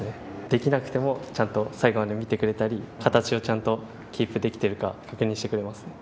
できなくてもちゃんと最後まで見てくれたり形をちゃんとキープできているか確認してくれますね。